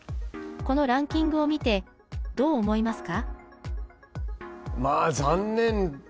このランキングを見てどう思いますか？